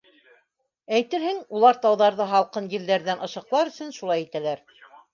Әйтерһең, улар тауҙарҙы һалҡын елдәрҙән ышыҡлар өсөн шулай итәләр.